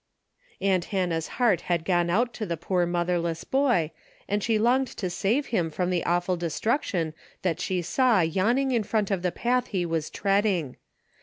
Aunt Hannah's heart had gone out to the poor motherless boy, and she longed to save him from the awful destruction that she saw yawning in front of the path he was treading.